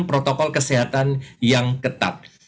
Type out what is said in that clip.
protokol kesehatan yang ketat